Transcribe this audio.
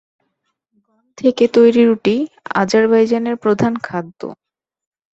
গম থেকে তৈরি রুটি আজারবাইজানের প্রধান খাদ্য।